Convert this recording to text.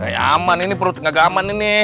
ya aman ini perut nggak aman ini